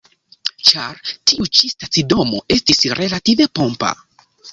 Ĉar tiu ĉi stacidomo estis relative pompa.